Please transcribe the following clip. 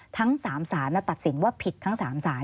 ทั้ง๓สารตัดสินว่าผิดทั้ง๓สาร